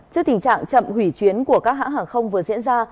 trước tình trạng chậm hủy chuyến của các hãng hàng không vừa diễn ra